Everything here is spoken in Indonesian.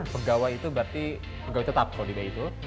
pegawai itu berarti pegawai tetap kalau di b itu